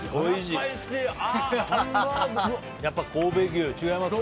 やっぱり神戸牛違いますか？